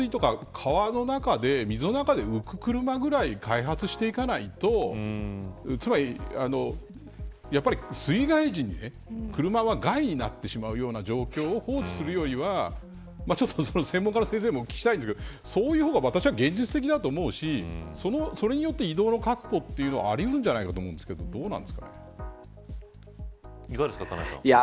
やっぱり、現実的には洪水とか川の中で水の中で浮く車ぐらい開発していかないとやっぱり、水害時に車は害になってしまうような状況を放置するよりはちょっと、専門家の先生にもお聞きしたいんですけどそういう方が私は現実的だと思うしそれによって移動の確保というのはあり得るんじゃないかと思うんですけどどうなんですか。